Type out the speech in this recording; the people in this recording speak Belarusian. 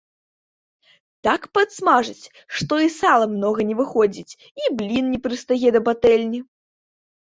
Так падсмажыць, што і сала многа не выходзіць і блін не прыстае да патэльні.